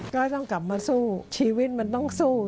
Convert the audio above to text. ก็ต้องกลับมาสู้ชีวิตมันต้องสู้